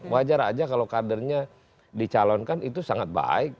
wajar aja kalau kadernya dicalonkan itu sangat baik